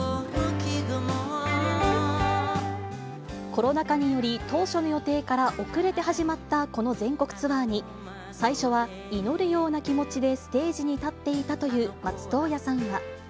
コロナ禍により、当初の予定から遅れて始まったこの全国ツアーに、最初は祈るような気持ちでステージに立っていたという松任谷さん